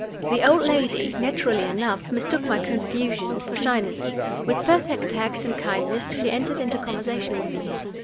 The old lady, naturally enough, mistook my confusion for shyness. With perfect tact and kindness she entered into conversation with me.